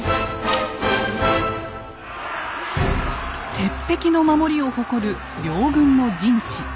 鉄壁の守りを誇る両軍の陣地。